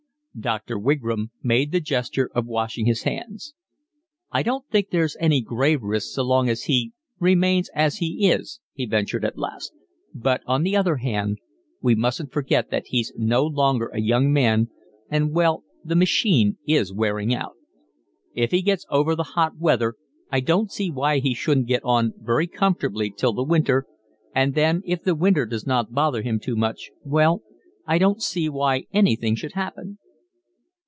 Dr. Wigram made the gesture of washing his hands. "I don't think there's any grave risk so long as he—remains as he is," he ventured at last. "But on the other hand, we mustn't forget that he's no longer a young man, and well, the machine is wearing out. If he gets over the hot weather I don't see why he shouldn't get on very comfortably till the winter, and then if the winter does not bother him too much, well, I don't see why anything should happen."